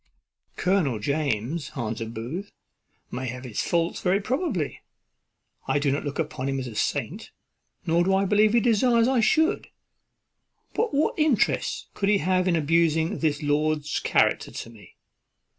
"Colonel James," answered Booth, "may have his faults very probably. I do not look upon him as a saint, nor do I believe he desires I should; but what interest could he have in abusing this lord's character to me?